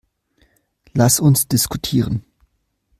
Lass uns diskutieren.